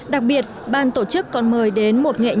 đặc biệt ban tổ chức còn mời đến một nghệ nhân